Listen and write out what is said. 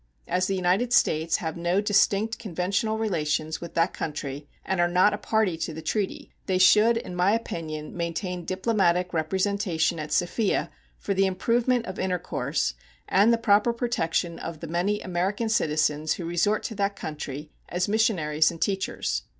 As the United States have no distinct conventional relations with that country and are not a party to the treaty, they should, in my opinion, maintain diplomatic representation at Sofia for the improvement of intercourse and the proper protection of the many American citizens who resort to that country as missionaries and teachers.